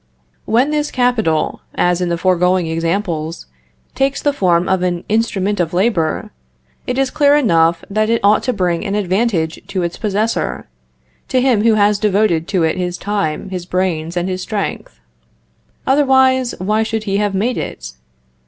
When this capital, as in the foregoing examples, takes the form of an instrument of labor, it is clear enough that it ought to bring an advantage to its possessor, to him who has devoted to it his time, his brains, and his strength. Otherwise, why should he have made it?